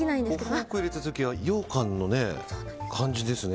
フォーク入れた時は羊羹の感じですね。